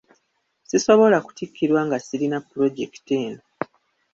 Si sobola kuttikirwa nga sirina pulojekiti eno.